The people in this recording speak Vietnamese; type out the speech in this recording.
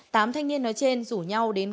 tám thanh niên nói trên rủ nhau đến quán nhậu